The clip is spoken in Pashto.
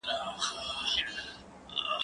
زه اوس کتابونه لولم